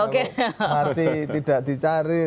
kalau mati tidak dicari